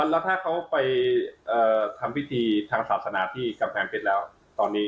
แล้วถ้าเขาไปทำพิธีทางศาสนาที่กำแพงเพชรแล้วตอนนี้